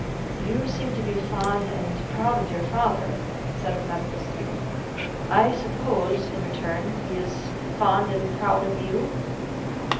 "You seem to be fond and proud of your father," said the medical student. "I suppose, in return, he is fond and proud of you?"